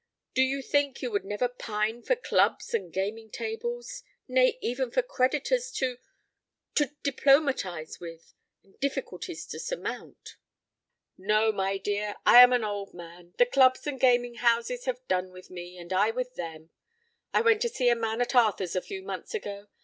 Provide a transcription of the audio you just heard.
Do you think you would never pine for clubs and gaming tables nay, even for creditors to to diplomatize with, and difficulties to surmount?" "No, my dear. I am an old man; the clubs and gaming houses have done with me, and I with them. I went to see a man at Arthur's a few months ago.